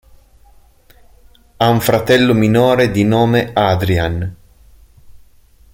Ha un fratello minore di nome Adrian.